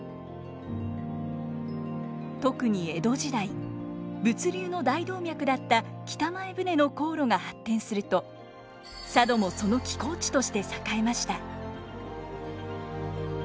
特に江戸時代物流の大動脈だった北前船の航路が発展すると佐渡もその寄港地として栄えました。